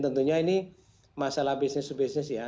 tentunya ini masalah bisnis ya